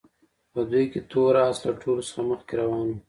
په دوی کې تور اس له ټولو څخه مخکې روان وو.